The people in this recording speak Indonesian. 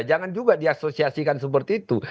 jangan juga diasosiasikan seperti itu